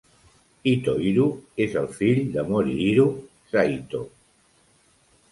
Hitohiro és el fill de Morihiro Saito.